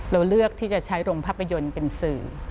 เราเลือกที่จะใช้โรงภาพยนตร์เป็นสื่อ